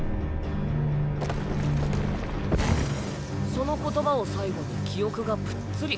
その言葉を最後に記憶がぷっつり。